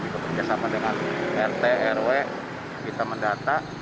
kita bersama dengan rt rw kita mendata